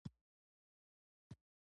د قزلباشانو سیمې په کابل کې دي